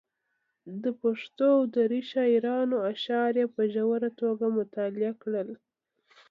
د پښتو او دري شاعرانو اشعار یې په ژوره توګه مطالعه کړل.